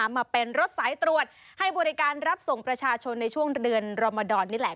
มาเป็นรถสายตรวจให้บริการรับส่งประชาชนในช่วงเดือนรมดรนี่แหละ